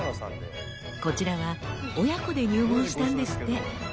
こちらは親子で入門したんですって！